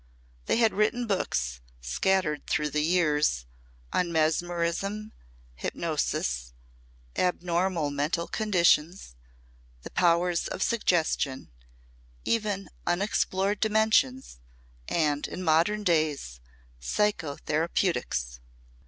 They had written books, scattered through the years, on mesmerism, hypnosis, abnormal mental conditions, the powers of suggestion, even unexplored dimensions and in modern days psychotherapeutics.